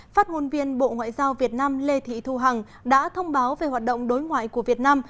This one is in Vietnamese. phát ngôn viên bộ ngoại giao việt nam lê thị thu hằng đã thông báo về hoạt động đối ngoại của việt nam